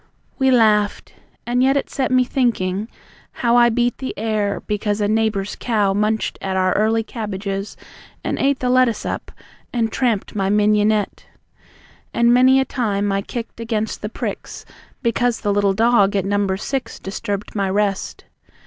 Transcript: We laughed. And yet it set me thinking, how I beat the air, because a neighbour's cow Munched at our early cabbages, and ate The lettuce up, and tramped my mignon ette! And many a time I kicked against the pricks Because the little dog at number six Disturbed my rest.